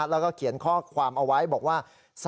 แล้วก็เขียนข้อความเอาไว้บอกว่า